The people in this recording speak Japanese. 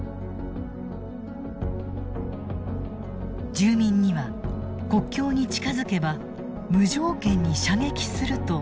住民には国境に近づけば無条件に射撃すると周知していた。